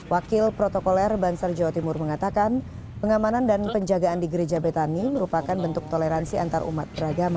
wakil protokoler bansar jawa timur mengatakan pengamanan dan penjagaan di gereja betani merupakan bentuk toleransi antarumat beragama